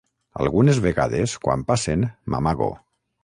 Algunes vegades quan passen m'amago.